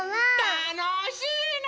たのしいね。